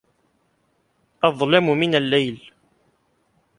أظلم من الليل